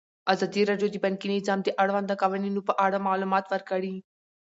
ازادي راډیو د بانکي نظام د اړونده قوانینو په اړه معلومات ورکړي.